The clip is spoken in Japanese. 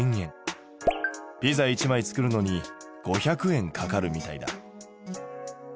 ピザ１枚作るのに５００円かかるみたいだ。